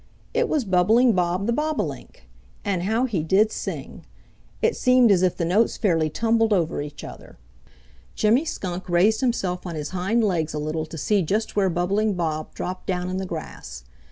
It was Bubbling Bob the Bobolink. And how he did sing! It seemed as if the notes fairly tumbled over each other. Jimmy Skunk raised himself on his hind legs a little to see just where Bubbling Bob dropped down in the grass.